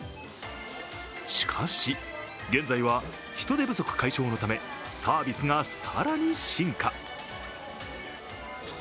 しかし現在は人手不足解消のためサービスが更に進化。